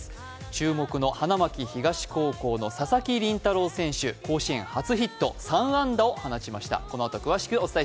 注目の花巻東高校の佐々木麟太郎選手、甲子園初ヒット、３安打を放ちました。